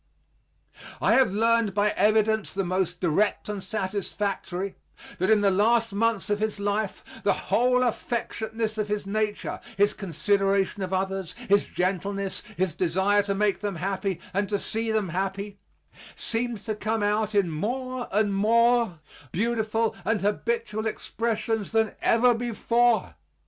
I have learned by evidence the most direct and satisfactory that in the last months of his life, the whole affectionateness of his nature his consideration of others, his gentleness, his desire to make them happy and to see them happy seemed to come out in more and more beautiful and habitual expressions than ever before.